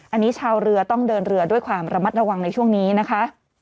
อันนี้ชาวเรือต้องเดินเรือด้วยความระมัดระวังในช่วงนี้นะคะ